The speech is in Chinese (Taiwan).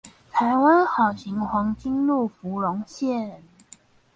台灣好行黃金福隆線